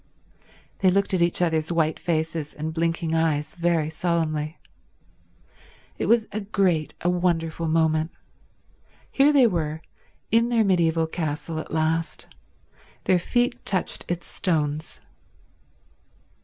They looked at each other's white faces and blinking eyes very solemnly. It was a great, a wonderful moment. Here they were, in their mediaeval castle at last. Their feet touched its stones.